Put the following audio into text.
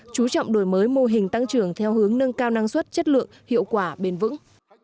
chú trọng đổi mới mô hình tăng trưởng theo hướng nâng cao năng suất chất lượng hiệu quả bền vững